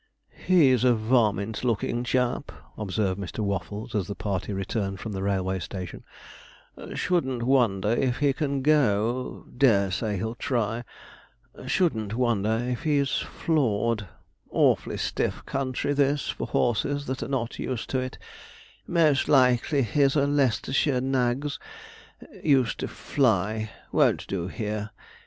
'He's a varmint looking chap,' observed Mr. Waffles, as the party returned from the railway station; 'shouldn't wonder if he can go dare say he'll try shouldn't wonder if he's floored awfully stiff country this for horses that are not used to it most likely his are Leicestershire nags, used to fly won't do here.